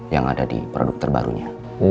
yang ada di produk terbarunya